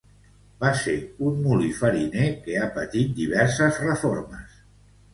Va ser un molí fariner que ha patit diverses reformes.